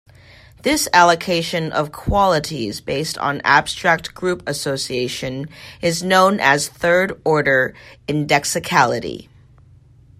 This allocation of qualities based on abstract group association is known as third-order indexicality.